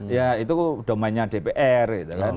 ya itu domainnya dpr gitu kan